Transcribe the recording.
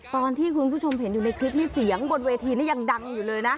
คุณผู้ชมเห็นอยู่ในคลิปนี้เสียงบนเวทีนี้ยังดังอยู่เลยนะ